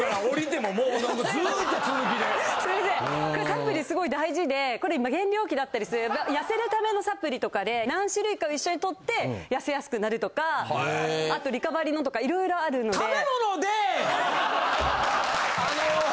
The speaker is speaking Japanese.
サプリすごい大事でこれ今減量期だったり痩せるためのサプリとかで何種類かを一緒にとって痩せやすくなるとか後リカバリーのとか色々あるので。